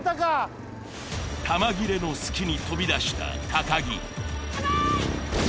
弾切れの隙に飛び出した木やばい！